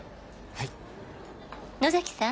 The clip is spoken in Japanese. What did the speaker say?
はい「野崎さん」